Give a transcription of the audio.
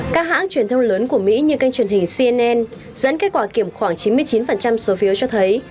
các hãng truyền thông lớn của mỹ như kênh truyền hình cnn dẫn kết quả kiểm khoảng chín mươi chín số phiếu cho thấy